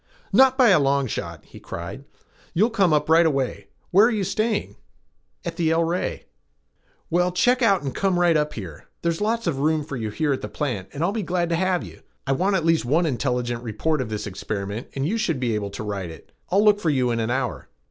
"Not by a long shot," he cried. "You'll come up right away. Where are you staying?" "At the El Rey." "Well, check out and come right up here. There's lots of room for you here at the plant and I'll be glad to have you. I want at least one intelligent report of this experiment and you should be able to write it. I'll look for you in an hour."